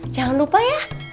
jangan lupa ya